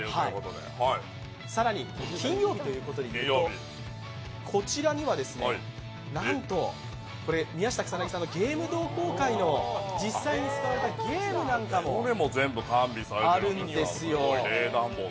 更に、金曜日ということでいくとこちらにはなんと宮下草薙さんの「ゲーム同好会」の実際に使われたゲームなんかもあるんですよ。